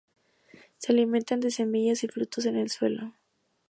Se alimentan de semillas y frutos en el suelo.